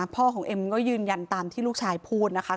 พ่อของเอ็มก็ยืนยันตามที่ลูกชายพูดนะคะ